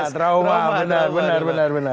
trauma benar benar